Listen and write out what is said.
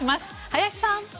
林さん！